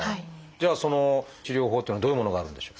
じゃあその治療法っていうのはどういうものがあるんでしょう？